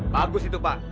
bagus itu pak